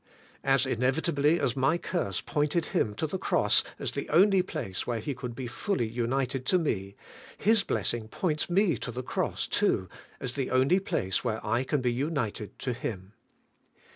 As inevitably as my curse pointed Him to the Cross as the only place where He could be fully united to me. His blessing points me to the Cross too as the only place where I can be united to Him.